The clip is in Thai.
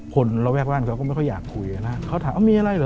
ระแวกบ้านเขาก็ไม่ค่อยอยากคุยนะเขาถามว่ามีอะไรเหรอ